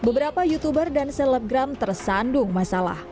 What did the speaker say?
beberapa youtuber dan selebgram tersandung masalah